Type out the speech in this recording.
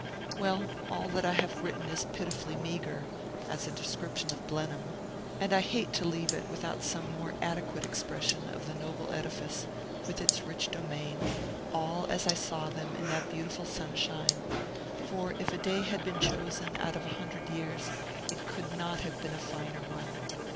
Well, all that I have written is pitifully meagre, as a description of Blenheim; and I bate to leave it without some more adequate expression of the noble edifice, with its rich domain, all as I saw them in that beautiful sunshine; for, if a day had been chosen out of a hundred years, it could not have been a finer one.